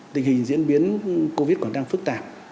tình hình diễn biến covid còn đang phức tạp